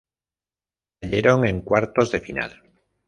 Cayeron en cuartos de final.